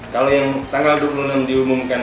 kalau yang tanggal dua puluh enam diumumkan